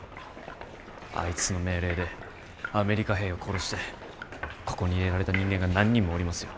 あいつの命令でアメリカ兵を殺してここに入れられた人間が何人もおりますよ。